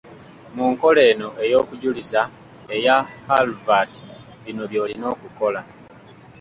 Mu nkola eno ey’okujuliza, eya Halvald, bino by’olina okukola.